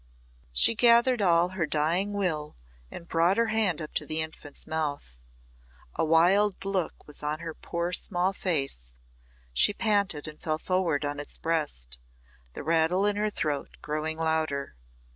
She gathered all her dying will and brought her hand up to the infant's mouth. A wild look was on her poor, small face, she panted and fell forward on its breast, the rattle in her throat growing louder.